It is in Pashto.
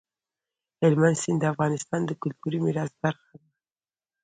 هلمند سیند د افغانستان د کلتوري میراث برخه ده.